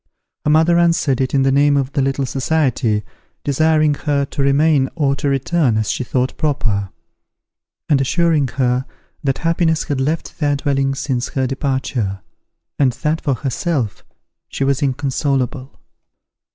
Her mother answered it in the name of the little society, desiring her to remain or to return as she thought proper; and assuring her, that happiness had left their dwelling since her departure, and that, for herself, she was inconsolable.